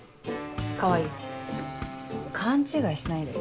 川合勘違いしないで。